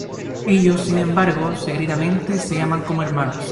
Ellos sin embargo, secretamente se aman como hermanos.